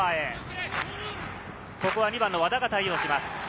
ここは２番の和田が対応します。